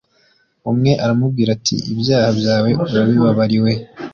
Umwe aramubwira ati: “lbyaha byawe urabibabariwe